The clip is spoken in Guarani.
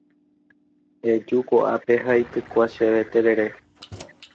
eju ko'ápe ha eitykua chéve terere